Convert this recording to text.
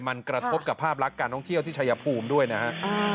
มันกระทบกับภาพลักษณ์การท่องเที่ยวที่ชายภูมิด้วยนะฮะ